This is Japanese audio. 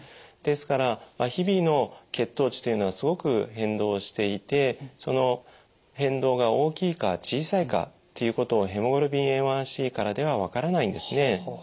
ですから日々の血糖値というのはすごく変動していてその変動が大きいか小さいかっていうことをヘモグロビンＡ１ｃからでは分からないんですね。